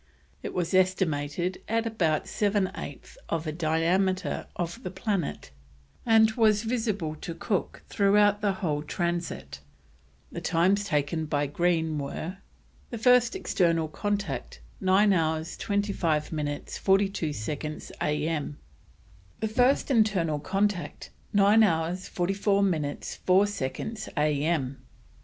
It was estimated at about seven eighths of the diameter of the planet, and was visible to Cook throughout the whole Transit. The times taken by Green were: The first external contact: 9 hours 25 minutes 42 seconds A.M. The first internal contact: 9 hours 44 minutes 4 seconds A.M.